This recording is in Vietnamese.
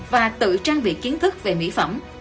và tự trang bị kiến thức về mỹ phẩm